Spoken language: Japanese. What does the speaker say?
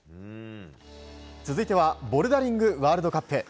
続いてはボルダリングワールドカップ。